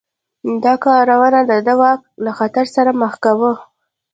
دا کارونه د ده واک له خطر سره مخ کاوه.